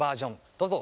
どうぞ！